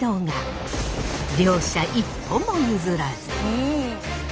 両者一歩も譲らず。